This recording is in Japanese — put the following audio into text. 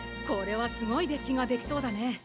これはすごいデッキができそうだね。